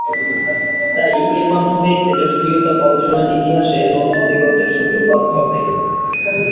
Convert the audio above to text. তাই এর মাধ্যমে তেজস্ক্রিয়তা গবেষণার ইতিহাসে নতুন দিগন্তের সূত্রপাত ঘটে।